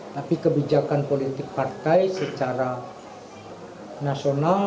tapi kebijakan politik partai secara nasional